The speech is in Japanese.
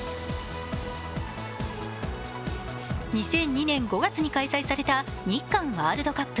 ２００２年５月に開催された日韓ワールドカップ。